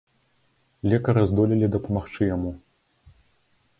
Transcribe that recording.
Лекары здолелі дапамагчы яму.